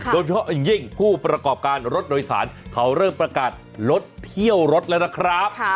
โดยเฉพาะอย่างยิ่งผู้ประกอบการรถโดยสารเขาเริ่มประกาศลดเที่ยวรถแล้วนะครับ